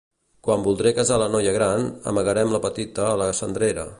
Quan voldré casar la noia gran amagarem la petita a la cendrera.